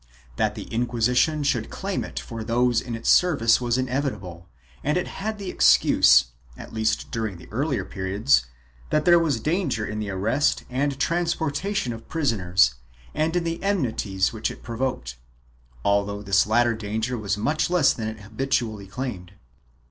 That the Inquisition should claim it for those in its service was inevitable and it had the excuse, at least during the earlier period, that there was danger in the arrest and transportation of prisoners and in the enmities which it provoked, although this latter danger was much less than it habitually claimed.